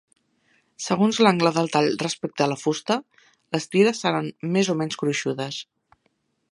Segons l'angle del tall respecte a la fusta, les tires seran més o menys gruixudes.